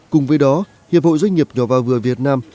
cùng với đó hiệp hội doanh nghiệp nhỏ và vừa việt nam